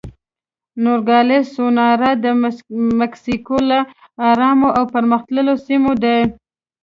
نوګالس سونورا د مکسیکو له ارامو او پرمختللو سیمو ده.